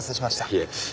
いえ。